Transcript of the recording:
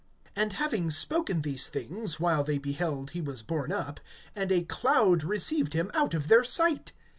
(9)And having spoken these things, while they beheld he was borne up, and a cloud received him out of their sight.